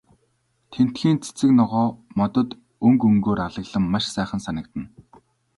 Тэндхийн цэцэг ногоо, модод өнгө өнгөөр алаглан маш сайхан санагдана.